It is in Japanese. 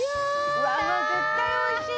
うわもう絶対おいしい！